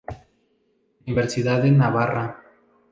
Universidad de Navarra.